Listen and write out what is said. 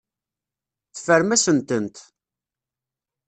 Teffrem-asent-tent.